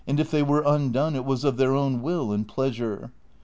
CHAPTER XL 67 if they were undone it was of their own will and pleasure.